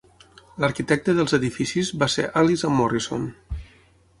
L'arquitecte dels edificis va ser Allies and Morrison.